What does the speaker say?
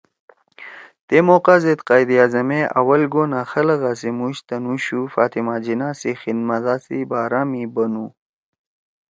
تے موقع زید قائداعظم ئے آول گونا خلَگا سی مُوش تنُو شُو فاطمہ جناح سی خدمت دا سی بارا می بنُو!